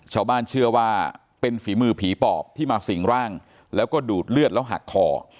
ชาวบ้านเชื่อว่าเป็นฝีมือผีปอบที่มาสิ่งร่างแล้วก็ดูดเลือดแล้วหักคอ